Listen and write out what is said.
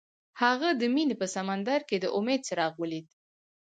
هغه د مینه په سمندر کې د امید څراغ ولید.